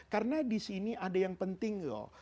karena di sini ada yang penting lho